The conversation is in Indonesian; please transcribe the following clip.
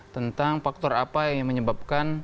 tentang faktor apa yang menyebabkan